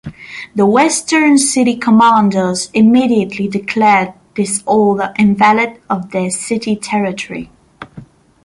The Western city commanders immediately declared this order invalid on their city territory.